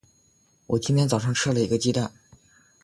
我今天早上吃了一个鸡蛋。